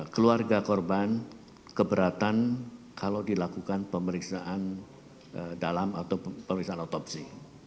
keluarga korban keberatan kalau dilakukan pemeriksaan dalam atau pemeriksaan otopsi